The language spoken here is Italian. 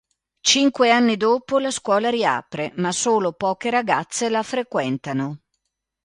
Cinque anni dopo, la scuola riapre ma solo poche ragazze la frequentano.